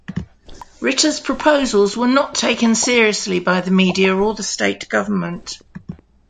Ritter’s proposals were not taken seriously by the media or the state government.